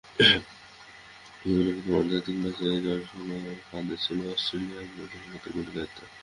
জীবনের প্রথম আন্তর্জাতিক ম্যাচেই জর্জ বেইলির কাঁধে ছিল অস্ট্রেলিয়ার অধিনায়কত্বের গুরুদায়িত্ব।